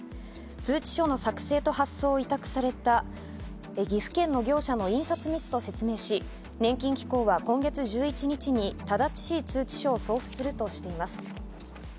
通知書の作成と発送を委託された岐阜県の業者の印刷ミスと説明し、年金機構は今月１１日に正しい通知書を送付するとしています。